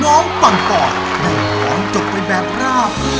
น้องปั่งป่อนแหม่งหรอมจบไปแบบราบ